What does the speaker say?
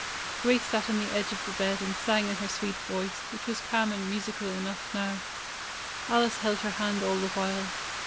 Grace sat on the edge of the bed and sang in her sweet voice, which was calm 'and musical enough now. Alice held her hand all the while.